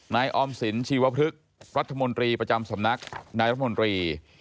ออมสินชีวพฤกษ์รัฐมนตรีประจำสำนักนายรัฐมนตรี